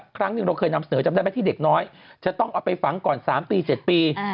ครั้งหนึ่งเราเคยนำเสนอจำได้ไหมที่เด็กน้อยจะต้องเอาไปฝังก่อน๓ปี๗ปี